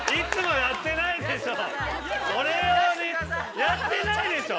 やってないでしょう？